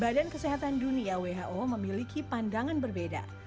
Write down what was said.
badan kesehatan dunia who memiliki pandangan berbeda